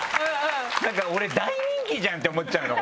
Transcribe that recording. なんか俺大人気じゃん！って思っちゃうのこれ。